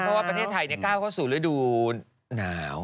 เพราะว่าประเทศไทยก้าวเข้าสู่ฤดูหนาว